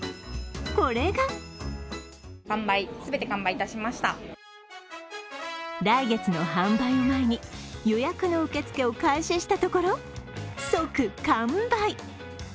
これが来月の販売を前に予約の受け付けを開始したところ即完売。